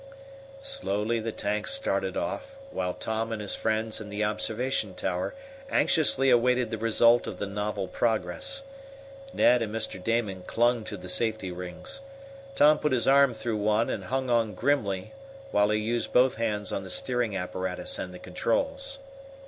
Slowly the tank started off, while Tom and his friends in the observation tower anxiously awaited the result of the novel progress. Ned and Mr. Damon clung to the safety rings. Tom put his arm through one and hung on grimly, while he used both hands on the steering apparatus and the controls.